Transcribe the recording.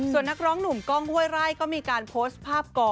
ส่วนนักร้องหนุ่มกล้องห้วยไร่ก็มีการโพสต์ภาพก่อ